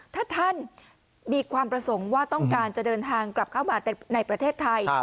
ถ้าท่านมีความประสงค์ว่าต้องการจะเดินทางกลับเข้ามาในประเทศไทย